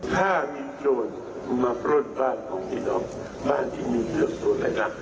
ถ้ามีโจรมาปรุดบ้านของพี่น้องบ้านที่มีเรือสูตรอะไรนะ